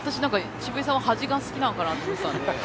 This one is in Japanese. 渋井さん、端が好きなのかなと思ってたんで。